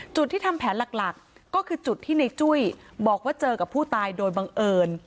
จุดที่ทำแผนหลักก็คือจุดที่ในจุ้ยบอกว่าเจอกับผู้ตายโดยบังเอิญ